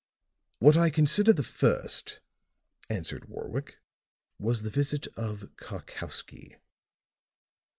"What I consider the first," answered Warwick, "was the visit of Karkowsky.